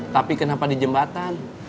tapi kenapa di jembatan